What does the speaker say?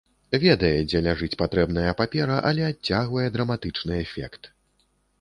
Ведае, дзе ляжыць патрэбная папера, але адцягвае драматычны эфект.